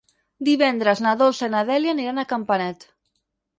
Divendres na Dolça i na Dèlia aniran a Campanet.